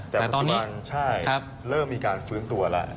แต่ตอนนี้เริ่มมีการฟื้นตัวแล้ว